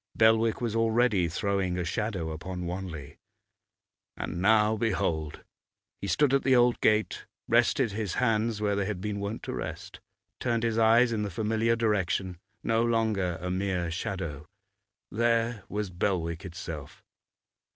Belwick was already throwing a shadow upon Wanley. And now behold! he stood at the old gate, rested his hands where they had been wont to rest, turned his eyes in the familiar direction; no longer a mere shadow, there was Belwick itself.